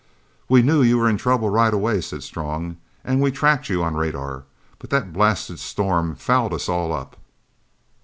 "We knew you were in trouble right away," said Strong, "and we tracked you on radar. But that blasted storm fouled us all up.